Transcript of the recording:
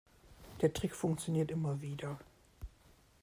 Der Trick funktioniert immer wieder.